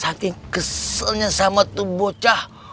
saking keselnya sama tuh bocah